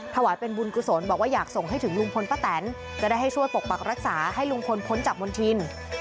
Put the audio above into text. ถวายเป็นบุญกุศลบอกว่าอยากส่งให้ถึงลุงพลป้าแตนจะได้ให้ช่วยปกปักรักษาให้ลุงพลพ้นจากมณฑิน